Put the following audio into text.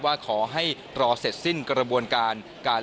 ว่าขอให้รอเสร็จสิ้นกระบวนการ